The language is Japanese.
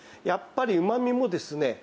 やっぱりうまみもですね